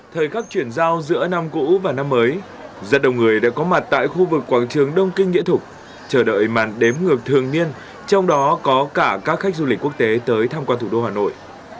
thời khắc chuyển giao giữa năm cũ và năm mới rất đông người đã có mặt tại khu vực quảng trường đông kinh nghĩa thục chờ đợi màn đếm ngược thường niên trong đó có cả các khách du lịch quốc tế tới tham quan thủ đô hà nội